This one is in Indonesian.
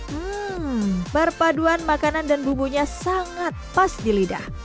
hmm perpaduan makanan dan bumbunya sangat pas di lidah